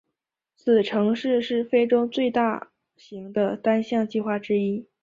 此城市是非洲最大型的单项计划之一。